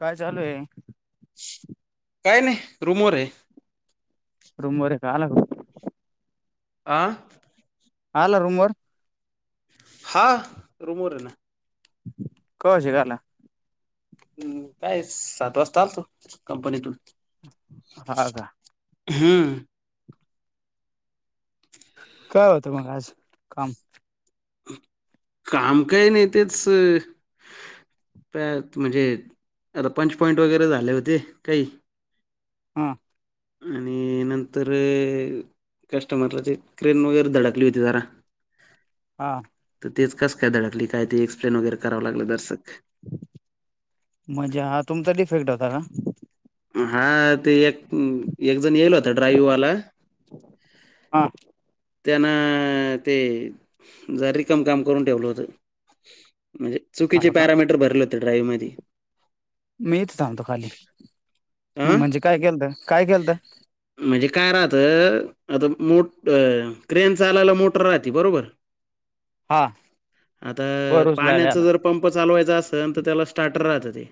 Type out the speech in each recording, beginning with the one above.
काय चालू ये? काय नाही रूम वर हाय. रुम वर हाय का? आला तु. आं. आला रूमवर? हां रूमवर हाय ना. कवाशीक आला? हम् काय सात वाजता आलतो कंपनीतून खाजा हुउ. काय होतं मग आज काम? काम काय नाही तेचस त्यात म्हणजे आता पंच पॉईंट वगैरे झाले होते काही हा. आणि नंतर कस्टमरला ते क्रेन वगैर धडकली होती जरा हा. तर... तेच कसं काय धडकली काय ते... एक्सप्लेन वगैरे करावं लागलं दरसक म्हणजे... हा तुमचा डिफेक्ट होता का? हा... तो एक... एक जण... येल होता ड्राईव्हवाला. हा. त्यांनं ते जरा रिकामं काम करून ठेवलं होतं.. म्हणजे चुकीचे हा का पॅरामीटर भरले होते ड्राईव्ह मध्ये मी हिथ थांबतो खाली... अ म्हणजे काय केेलतं... काय केेलतं? म्हणजे काय राहतं... आता मो... क्रेन चालायला मोटर राहती... बरोबर हा आता वर उचलायला आला पाण्याचं जर पंप चालवायचा असल... तर त्याला स्टार्टर राहतं ते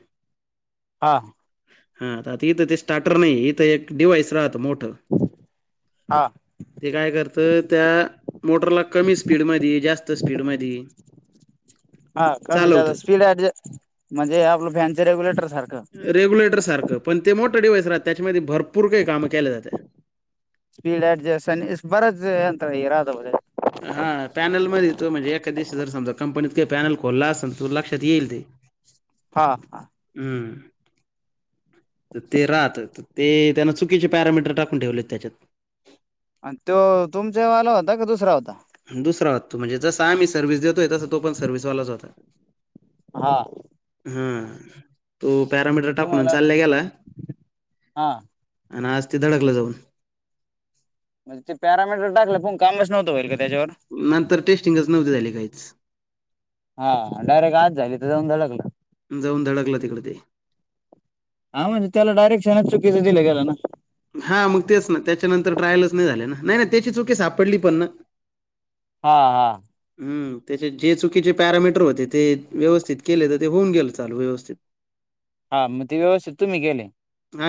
हां. हा... आता इथं ते स्टार्टर नाई... इथं एक डिव्हाइस राहतं मोठं हा. ते काय करतं.. त्या मोटरला कमी स्पीडमधी.. जास्त स्पीडमधी हा... कमी स्पीड ऍडजस्ट... म्हणजे आपलं फॅनच्या रेग्युलेटर सारखं रेग्युलेटर सारखं... पण ते मोठं डिवाइस राहतं... त्याच्यामध्ये भरपूर काई काम केल्या जात्या. स्पीड अऍडजस्ट... अन इस... बरच यंत राहतं बरं का हा... पॅनलमध्ये तो म्हणजे... एखाद दिवशी जर समजा कंपनीत काही पॅनल खोलला असेल तर लक्षात येईल ते हा हा. हू. तर ते राहतं... तर ते त्यानं चुकीचे पॅरामीटर टाकून ठेवलेत त्याच्यात आन तो तुमच्या वाला होता की दुसरा होता? दुसरा होता... म्हणजे जसं आम्ही सर्व्हस देतोय... तसच तो पण सर्व्हिसवालाच होता. हा. हं... तो पॅरामीटर मग टाकून तुम्हाला चालल्या गेला हा अन आज ते धडकलं जाऊन. म्हणज ते पॅरामीटर टाकलं पण कामच नव्हतं होईल का त्याच्यावर? नंतर टेस्टिंगच नव्हती झाली काहीच. हा... डायरेक्ट आज झाली तर, जाऊन धडकलं. जाऊन धडकलं तिकडे ते हा म्हणजे... त्याला डारेक्शनच चुकीचं दिलं गेलं ना हा मग तेच ना... त्याच्यानंतर ट्रायलच नाई झाली ना... नाई ना पण त्याची चुकी सापडली पण ना हा हा. हम्म... त्याचे जे चुकीचे पॅरामीटर होते ते.. व्यवस्थित केलं तर ते होऊन गेलं चालू व्यवस्थित. हा... मग ते व्यवस्थित तुम्ही केले?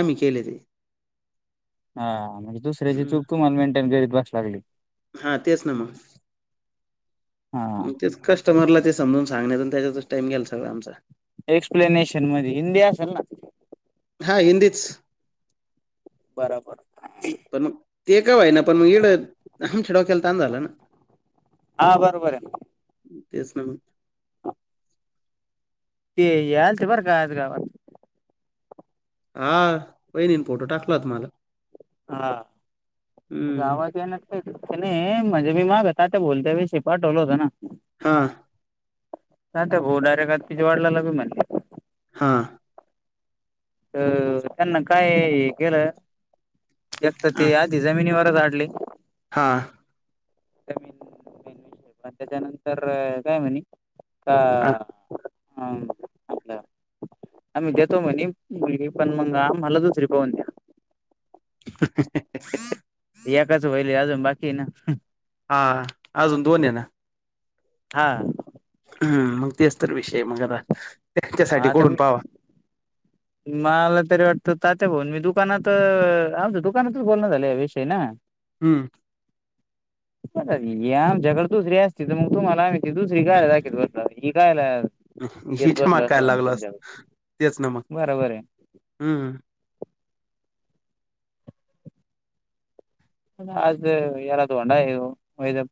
आम्ही केले ते. हा... म्हणजे दुसऱ्याची चूक... तुम्हाला मेंटेन करीत बसावी लागली. हा... तेच ना मग. हा मग तेच कस्टमरला ते समजून सांगण्यात आणि त्याच्यातच टाईम गेला सगळा आमचा एक्सप्लेनेशन मध्ये.. हिंदी असल ना? हा हिंदीच... बरोबर पण मग ते का व्हय ना... पण मग इडं... आमच्या डोक्याला ताण झाला ना हा बरोबर आहे तेच ना मग ते हे आल्ते, बर का आज गावात हा... वाहिनीनं फोटो टाकला होता माझा. हा... तुझा हं. आवाज येईना? नाही नाही म्हणजे मी माग तात्या बोलते त्यावेळेस पाठवलं होत ना. हां नाही ते गो डायरेटात तिच्या वडिलाला बी माहिते. हां अ त्यांना काय हे केलं एकतर हां, ते आ ते जमिनीवरच आढले. हां [unintelligible] पण त्याच्यानंतर काय म्हणे. का हां. [unintelligible] आम्ही देतो म्हणे मुलगी पण मग आम्हाला दुसरी पाहून द्या. [inaudible] एकाच होईल अजून बाकी आहे ना. हा अजून दोन आहे ना हां हम्म मग तेच तर विषय मग आता मग त्याच्यासाठी आता कोडून मी पाहवा मला तर वाटतं तात्या भाऊन मी दुकानात आमचं दुकानातच बोलण झालं या विषयी ना. हम्म. या आमच्याकड दुसरी असती तर मग तुम्हाला आम्ही हि दुसरी कायला दाखवित बसलो असतो हि कायला येत हिच्या बसलो माग काय असतो म्हणल लागलो तुमच्याकड. तेच न मग, हम्म आज येरा धोंडा हो [unintelligible]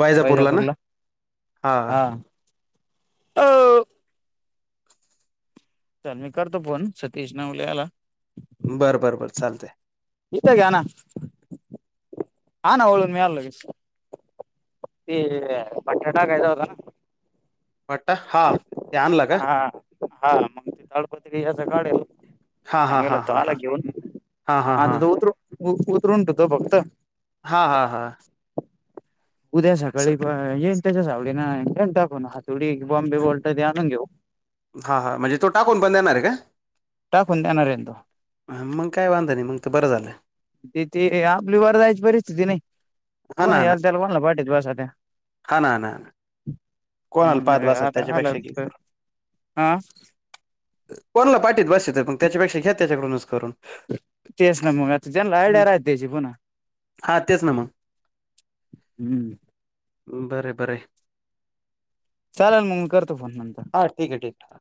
वायजापूरला ना? वैजापूरला हां चल मी करतो फोन सतीश नवलेला. बरं बरं बरं चालतय. इथ घ्याना ना. आना वळऊन मी आलो लगेच. ते पट्टा टाकायचा होता ना? पट्टा हा. हां हा मग ते ताडपत्री याच काढेल. हां, हां, चांगाला हां, तो हां, आला हां. घेऊन हां, हां, हा हां. तिथं उतरून उतरून ठेवतो फक्त. हा हा हा. उद्या सकाळी पण येईन त्याच्या सावडीन घेईल टाकून हात थोडी बॉम्बे बोल्ट द्या आनुन घेऊन. हा हा म्हणजे तो टाकून पण देणार ये का? टाकून देणारय ना तो. हा मगं काय वांद नाही मग ते बरं झालं. तिथे आपली वर जायची परिस्थिती नाही. हा ना पुन्हा हा ना ह्याला त्याला म्हणलं वाटत बसा पुन्हा. हा ना हा ना हा ना. कोणाला मंग पाहत बसा आता आलाच त्याच्यापेक्षा घे तर, करून हां. कोणाला पाठवीत बसता मग त्याच्यापेक्षा घ्या त्याच्याकडूनच करून. तेस ना मग आता त्यांना आयड्या हं. राहती त्यांची पुन्हा. हा तेच ना मग हम्म. बरय बरय. चालेल मंग करतो फोन नंतर. हां ठीकय ठीकय.